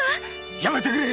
やめてくれ！